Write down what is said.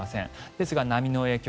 ですが波の影響